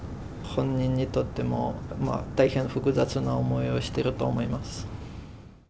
本人にとっても大変複雑な思いをしていると思います。